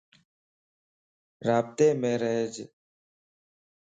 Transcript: رابطيم رھيج